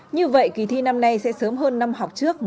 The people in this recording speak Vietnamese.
như vậy kỳ thi năm nay sẽ sớm hơn năm học trước